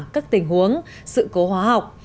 các tình huống sự cố hóa học